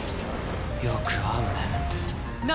よく会うね。